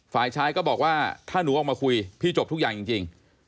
ฝ่ายชายก็บอกว่าถ้าหนูออกมาคุยพี่จบทุกอย่างจริง